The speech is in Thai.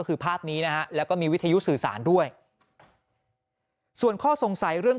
คือภาพนี้นะฮะแล้วก็มีวิทยุสื่อสารด้วยส่วนข้อสงสัยเรื่อง